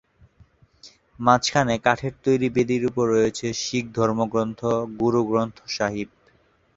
মাঝখানে কাঠের তৈরি বেদির ওপর রয়েছে শিখ ধর্মগ্রন্থ গুরু গ্রন্থ সাহিব।